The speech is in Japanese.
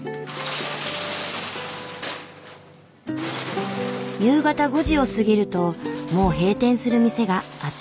夕方５時を過ぎるともう閉店する店があちこちに。